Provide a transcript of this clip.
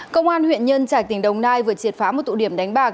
công an huyện nhân trạch tỉnh đồng nai vừa triệt phá một tụ điểm đánh bạc